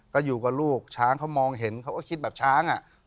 ก็อยู่กับลูกช้างเขามองเห็นเขาก็คิดแบบช้างอ่ะ